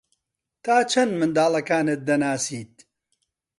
تا چەند منداڵەکانت دەناسیت؟